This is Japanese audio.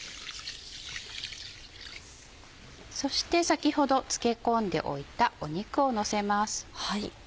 そして先ほど漬け込んでおいた肉をのせます。